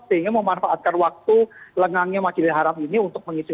sehingga memanfaatkan waktu lengangnya masjidil haram ini untuk mengisi